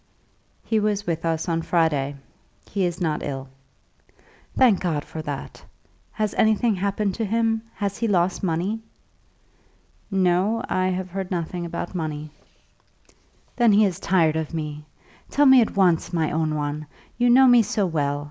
"He was with us on Friday. He is not ill." "Thank God for that. Has anything happened to him? Has he lost money?" "No; I have heard nothing about money." "Then he is tired of me. Tell me at once, my own one. You know me so well.